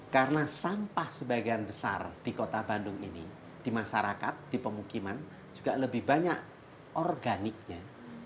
karena sampah sebagian besar di kota bandung ini di masyarakat di pemukiman juga lebih banyak organiknya